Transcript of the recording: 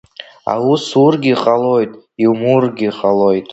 Аус уургьы ҟалоит, иумургьы ҟалоит…